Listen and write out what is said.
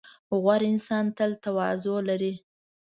• غوره انسان تل تواضع لري.